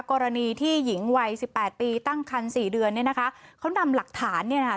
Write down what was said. กรณีที่หญิงวัยสิบแปดปีตั้งคันสี่เดือนเนี่ยนะคะเขานำหลักฐานเนี่ยนะคะ